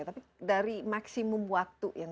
tapi dari maksimum waktu yang